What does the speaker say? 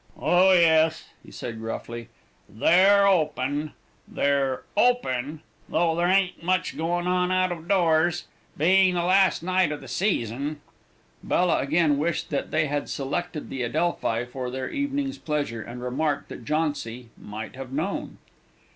"Oh yes," he said gruffly, "they're open they're open; though there ain't much going on out of doors, being the last night of the season." Bella again wished that they had selected the Adelphi for their evening's pleasure, and remarked that Jauncy "might have known."